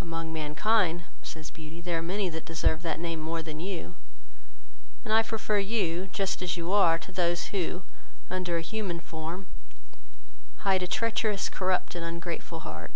"Among mankind, (says Beauty,) there are many that deserve that name more than you, and I prefer you, just as your are, to those, who, under a human form, hide a treacherous, corrupt, and ungrateful heart."